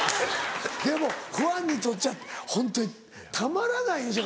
でもファンにとっちゃホントにたまらないでしょ。